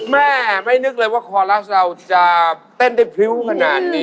แม่ไม่นึกเลยว่าคอลัสเราจะเต้นได้พริ้วขนาดนี้